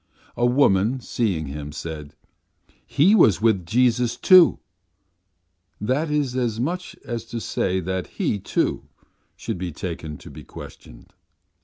A woman, seeing him, said: 'He was with Jesus, too' that is as much as to say that he, too, should be taken to be questioned.